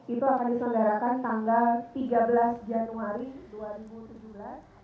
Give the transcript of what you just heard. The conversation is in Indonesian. itu akan diselenggarakan tanggal tiga belas januari dua ribu tujuh belas